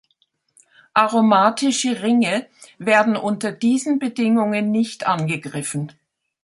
Aromatische Ringe werden unter diesen Bedingungen nicht angegriffen.